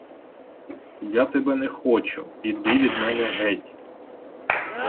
Я тебе не хочу, іди від мене геть!